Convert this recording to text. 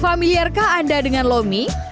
familiarkah anda dengan lomi